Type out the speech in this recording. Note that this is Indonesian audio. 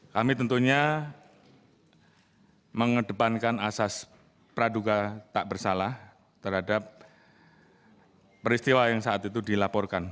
kami tentunya mengedepankan asas praduga tak bersalah terhadap peristiwa yang saat itu dilaporkan